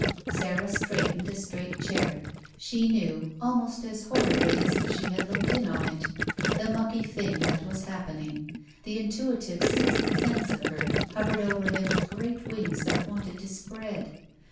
Sara straightened a straight chair. She knew, almost as horricfiy as if she had looked in on it, the mucky thing that was happening; the intuitive sixth sense of her hovered over him with great wings that wanted to spread.